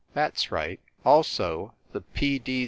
That s right. Also the T. D.